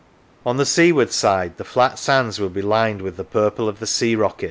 On the seaward side the flat sands will be lined with the purple of the sea rocket.